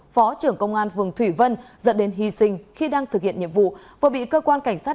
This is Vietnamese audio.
phó trưởng công an vườn thủy vân dẫn đến hy sinh khi đang thực hiện nhiệm vụ và bị cơ quan cảnh sát